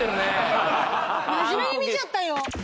真面目に見ちゃったよ